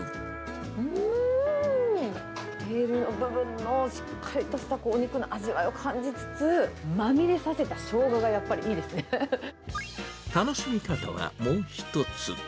うーん、テールの部分のしっかりとした肉の味わいを感じつつ、まみれさせ楽しみ方はもう１つ。